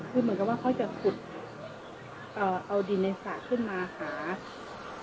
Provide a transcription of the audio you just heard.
คือเหมือนกับว่าเขาจะขุดอ่าเอาดินในสระขึ้นมาหา